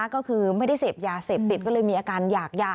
ก็คือไม่ได้เสพยาเสพติดก็เลยมีอาการหยากยา